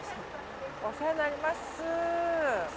お世話になります。